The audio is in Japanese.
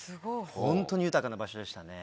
ホントに豊かな場所でしたね。